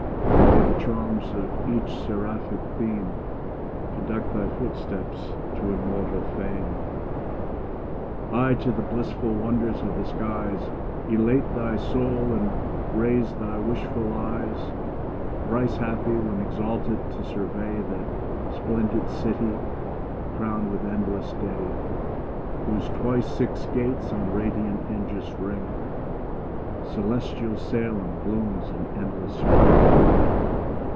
And may the charms of each seraphic theme Conduct thy footsteps to immortal fame! High to the blissful wonders of the skies Elate thy soul, and raise thy wishful eyes. Thrice happy, when exalted to survey That splendid city, crown'd with endless day, Whose twice six gates on radiant hinges ring: Celestial Salem blooms in endless spring.